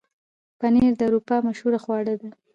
پنېر د اروپا مشهوره خواړه ده.